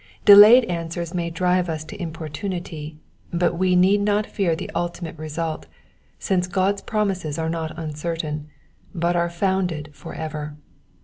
De layed answers may drive us to importunity ; but we need not fear the ultimate result, since God's promises are not uncertain, but are founded for ever.''